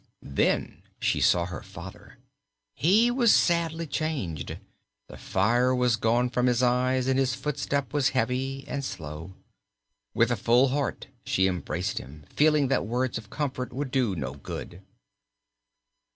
Then she saw her father. He was sadly changed: the fire was gone from his eyes and his footstep was heavy and slow. With a full heart she embraced him, feeling that words of comfort would do no good.